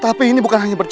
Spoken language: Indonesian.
tapi itu tidak hanya opsi